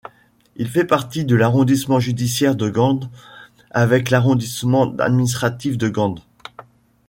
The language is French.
Il fait partie de l’arrondissement judiciaire de Gand, avec l’arrondissement administratif de Gand.